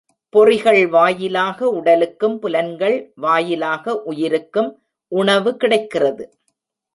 பொறிகள் வாயிலாக உடலுக்கும், புலன்கள் வாயிலாக உயிருக்கும் உணவு கிடைக்கிறது.